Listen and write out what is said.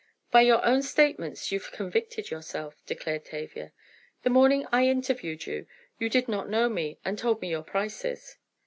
"By your own statements you've convicted yourself," declared Tavia. "The morning I interviewed you, you did not know me, and told me your prices."